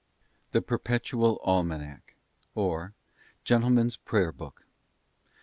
THE PERPETUAL ALMANACK, OR GENTLEMAN'S PRAYER BOOK.